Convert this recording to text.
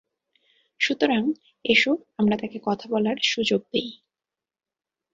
সুতরাং এসো আমরা তাঁকে কথা বলার সুযোগ দেই।